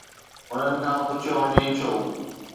انهن کان پڇيو وڃي، ڇو؟